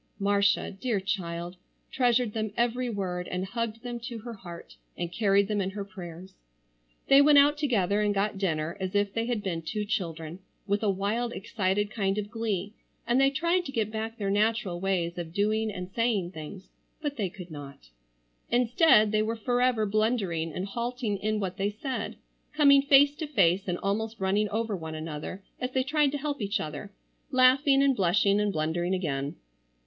Marcia, dear child, treasured them every word and hugged them to her heart, and carried them in her prayers. They went out together and got dinner as if they had been two children, with a wild excited kind of glee; and they tried to get back their natural ways of doing and saying things, but they could not. Instead they were forever blundering and halting in what they said; coming face to face and almost running over one another as they tried to help each other; laughing and blushing and blundering again.